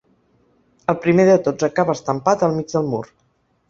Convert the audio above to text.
El primer de tots acaba estampat al mig del mur.